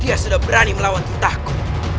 dia sudah berani melawan titahku